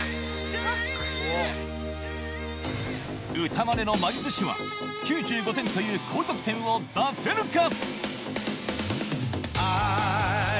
歌マネの魔術師は９５点という高得点を出せるか？